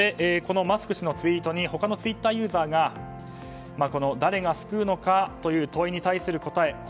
このマスク氏のツイートに他のツイッターユーザーが誰が救うのかという問いに対する答え